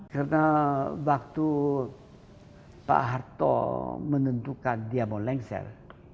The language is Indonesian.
karena waktu pak harto menentukan dia mau lengsar